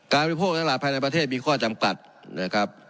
การวิโภคของอาหารภายในประเทศมีข้อจำกัดนะครับ